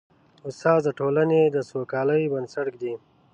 استاد د ټولنې د سوکالۍ بنسټ ږدي.